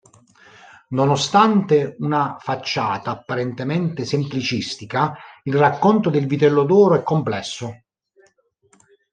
Nonostante una facciata apparentemente semplicistica, il racconto del vitello d'oro è complesso.